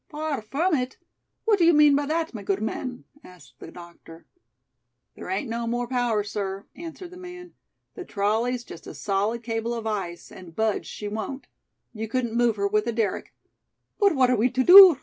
"Far from it? What do you mean by that, my good man?" asked the doctor. "There ain't no more power, sir," answered the man. "The trolley's just a solid cable of ice and budge she won't. You couldn't move her with a derrick." "But what are we to do?"